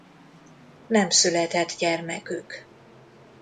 Nem született gyermekük.